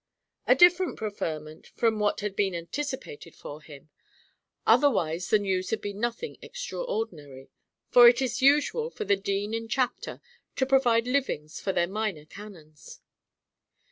A different preferment from what had been anticipated for him; otherwise the news had been nothing extraordinary, for it is usual for the Dean and Chapter to provide livings for their minor canons.